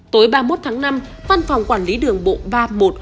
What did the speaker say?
tối ba mươi một tháng năm văn phòng quản lý đường bộ ba mươi một